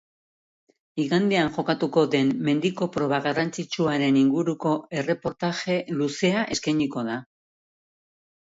Igandean jokatuko den mendiko proba garrantzitsuaren inguruko erreportaje luzea eskainiko da.